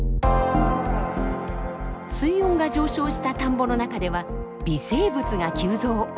水温が上昇した田んぼの中では微生物が急増。